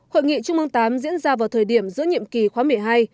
hội nghị trung mương viii diễn ra vào thời điểm giữa nhiệm kỳ khóa một mươi hai